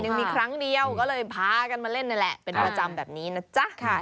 ยังมีครั้งเดียวก็เลยพากันมาเล่นนั่นแหละเป็นประจำแบบนี้นะจ๊ะ